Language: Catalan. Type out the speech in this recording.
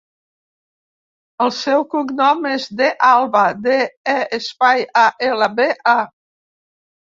El seu cognom és De Alba: de, e, espai, a, ela, be, a.